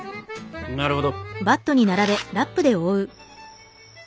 なるほど。